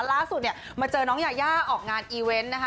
ล่าสุดเนี่ยมาเจอน้องยายาออกงานอีเวนต์นะคะ